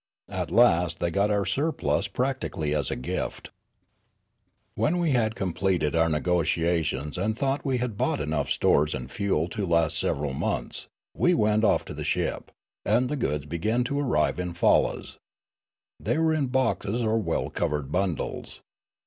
At last they got our surplus practically as a gift. 356 Riallaro " When we had completed our negotiations and thought we had bought enough stores and fuel to last several months, we went off to the ship, and the goods began to arrive in fallas. They were in boxes or well covered bundles.